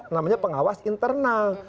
namanya pengawas internal